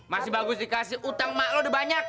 masih bagus dikasih utang mak lu udah banyak